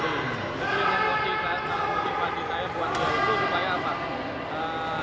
jadi yang aku cita yang aku dipakai buat dia itu supaya apa